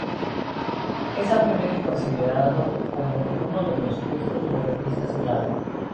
Es ampliamente considerado como uno de los textos modernistas clave.